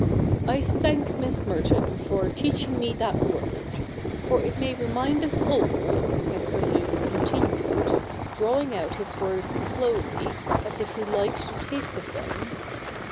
' I thank Miss Merton for teaching me that word ! for it may remind us all,' Mr. Luke continued, drawing out his words slowly, as if he liked the taste of them.